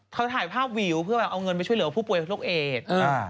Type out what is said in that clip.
เขาถ่ายภาพวิวเพื่อแบบเอาเงินไปช่วยเหลือผู้ป่วยโรคเอด